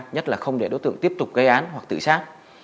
nhất là không để đối tượng tiếp tục gây án hoặc tự xác